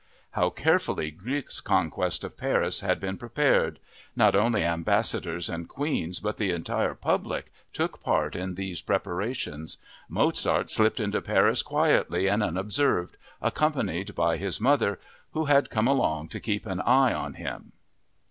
How carefully Gluck's conquest of Paris had been prepared! Not only ambassadors and queens but the entire public took part in these preparations.... Mozart slipped into Paris quietly and unobserved, accompanied by his mother, who had come along to keep an eye on him.